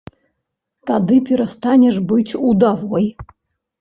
Тады перастанеш быць удавой.